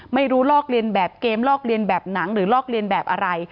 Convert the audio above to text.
ลอกเรียนแบบเกมลอกเรียนแบบหนังหรือลอกเรียนแบบอะไร